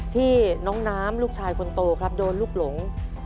ที่น้องน้ำลูกชายคนโตครับโดนลูกหลง